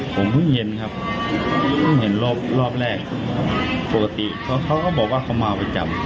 ผมเพิ่งเย็นครับเพิ่งเห็นรอบรอบแรกปกติเขาก็บอกว่าเขาเมาประจำ